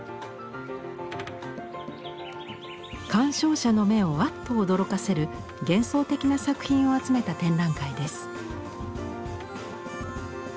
鑑賞者の目をあっと驚かせる幻想的な作品を集めた展覧会です。